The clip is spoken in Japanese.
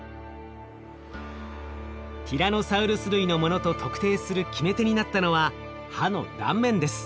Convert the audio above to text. ティラノサウルス類のものと特定する決め手になったのは歯の断面です。